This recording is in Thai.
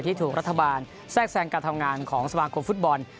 ที่ถูกรัฐบาลแทรกแทรงการทำงานของสมาคมฟุตบอล